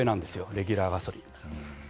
レギュラーガソリン。